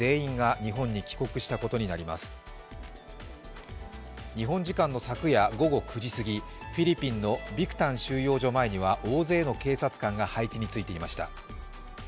日本時間の昨夜午後９時過ぎ、フィリピンのビクタン収容所前には大勢の警察官が配置についていました。